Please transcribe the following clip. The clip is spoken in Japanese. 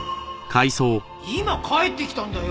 今帰ってきたんだよ。